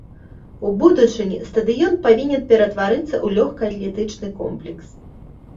У будучыні стадыён павінен ператварыцца ў лёгкаатлетычны комплекс.